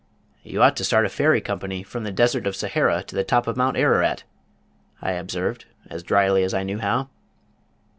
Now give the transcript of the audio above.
"You ought to start a Ferry Company from the Desert of Sahara to the top of Mount Ararat," I observed, as dryly as I knew how.